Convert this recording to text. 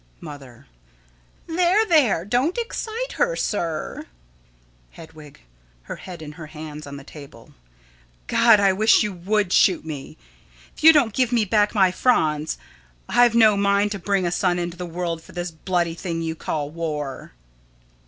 Mother: There, there, don't excite her, sir. Hedwig: [Her head in her hands, on the table.] God! I wish you would shoot me! If you don't give me back my Franz! I've no mind to bring a son into the world for this bloody thing you call war.